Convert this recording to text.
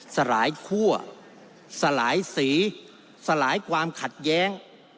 สลายคั่วสลายสีสลายความขัดแย้ง